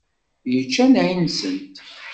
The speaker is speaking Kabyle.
Yečča nneεi-nsent.